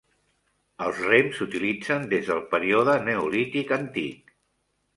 Els rems s'utilitzen des del període neolític antic.